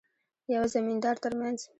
یوه زمیندار ترمنځ.